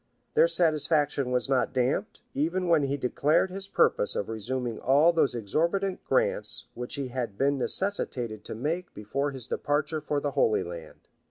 Their satisfaction was not damped, even when he declared his purpose of resuming all those exorbitant grants which he had been necessitated to make before his departure for the Holy Land.